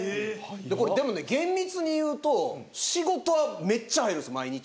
でも厳密にいうと仕事はめっちゃ入るんです毎日。